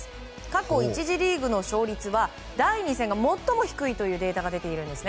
過去１次リーグの勝率は第２戦が最も低いというデータが出ているんです。